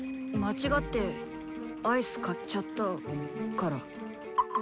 間違ってアイス買っちゃったから。